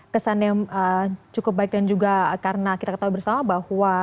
kesannya cukup baik dan juga karena kita ketahui bersama bahwa